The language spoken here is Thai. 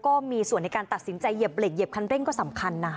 ก็มีส่วนในการตัดสินใจเหยียบเหล็กเหยียบคันเร่งก็สำคัญนะ